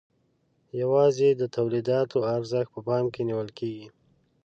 یوازې د تولیداتو ارزښت په پام کې نیول کیږي.